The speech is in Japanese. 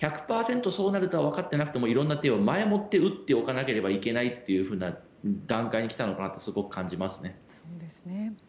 そうなるとはわかっていなくても色んな手を前もって打っておかなければいけないという段階に来たのかなとすごく感じますね。